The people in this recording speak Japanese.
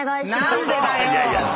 何でだよ